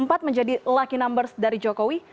sempat menjadi lucky numbers dari jokowi